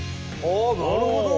なるほど！